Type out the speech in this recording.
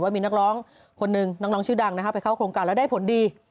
มีนักร้องคนนึงน้องชื่อดังไปเข้าโครงการแล้วได้ผลดี